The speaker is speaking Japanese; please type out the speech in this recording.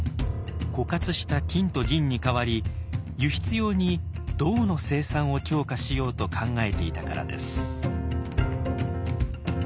枯渇した金と銀に代わり輸出用に銅の生産を強化しようと考えていたからです。